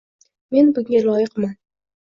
men bunga loyiqman!